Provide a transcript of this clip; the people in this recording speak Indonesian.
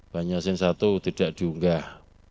banyuasin satu tidak diunggah